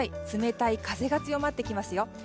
冷たい風が強まってきますよ。